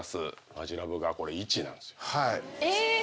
マヂラブがこれ１なんですよ。